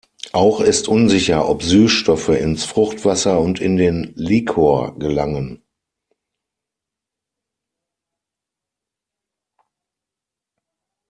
Auch ist unsicher, ob Süßstoffe ins Fruchtwasser und in den Liquor gelangen.